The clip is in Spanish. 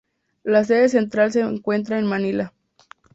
La sede central se encuentra en Manila.